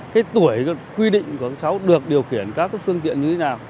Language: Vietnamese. cái tuổi quy định của các cháu được điều khiển các phương tiện như thế nào